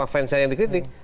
fans saya yang dikritik